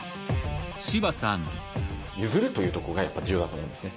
譲るというとこがやっぱ重要だと思うんですね。